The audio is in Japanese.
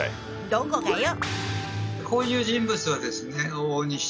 どこがよ！